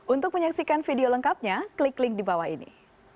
untuk menyaksikan video lengkapnya klik link di bawah ini